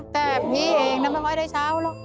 แต่พี่เองนะไม่ได้เช่าหรอก